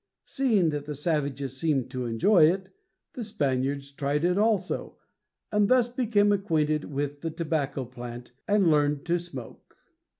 Seeing that the savages seemed to enjoy it, the Spaniards tried it also, and thus became acquainted with the tobacco plant and learned to smoke.